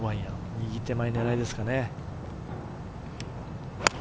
右手前狙いですかね。